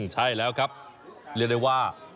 ใช่แล้วครับเรียกได้ว่า